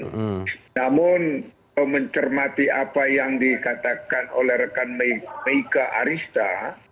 namun mencermati apa yang dikatakan oleh rekan meika arista